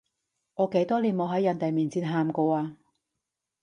我幾多年冇喺人哋面前喊過啊